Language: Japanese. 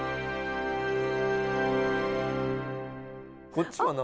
こっちは何？